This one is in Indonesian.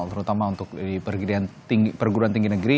terutama untuk perguruan tinggi negeri